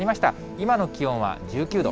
今の気温は１９度。